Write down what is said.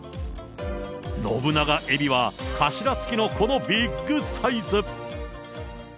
信長えびは頭付きのこのビッグサイズ。